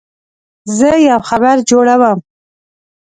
زه یو خبر جوړوم.